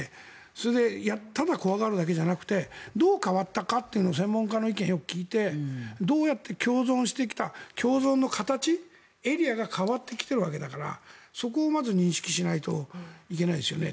それでただ怖がるだけではなくてどう変わったかというのを専門家の意見をよく聞いてどうやって共存してきた共存の形エリアが変わってきているわけだからそこをまず認識しないといけないですよね。